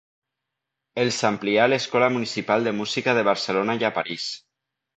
Els amplià a l'Escola Municipal de Música de Barcelona i a París.